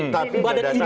tapi pada saat ini